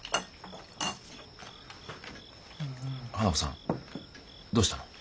花子さんどうしたの？